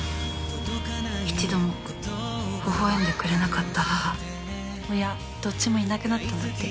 一度もほほ笑んでくれなかった母・親どっちもいなくなったんだって